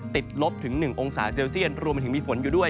ลบถึง๑องศาเซลเซียตรวมไปถึงมีฝนอยู่ด้วย